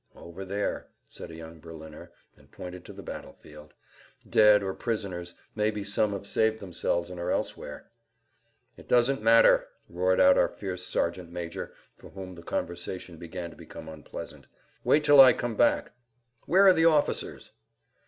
"Over there," said a young Berliner, and pointed to the battle field, "dead or prisoners; maybe some have saved themselves and are elsewhere!" "It doesn't matter," roared out our fierce sergeant major for whom the conversation began to become unpleasant. "Wait till I come back." "Where are the officers?"